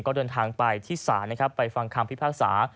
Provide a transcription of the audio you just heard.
ก็เดินทางไปที่ศาลนะครับไปฟังคำพิพากษา